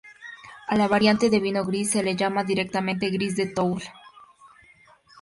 A la variante de vino gris se la llama directamente "Gris de Toul".